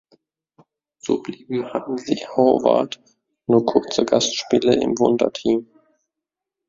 So blieben Hansi Horvath nur kurze Gastspiele im Wunderteam.